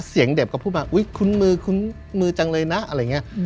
เสียงเด็กก็พูดมาอุ๊ยคุ้นมือคุ้นมือจังเลยนะอะไรอย่างนี้